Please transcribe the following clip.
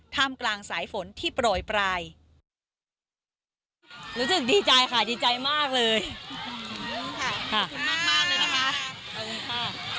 ท่ามกลางสายฝนที่โปรยปลายรู้สึกดีใจค่ะดีใจมากเลยขอบคุณค่ะขอบคุณมากมากเลยนะคะขอบคุณค่ะ